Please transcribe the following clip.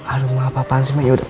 aduh ma apaan sih ma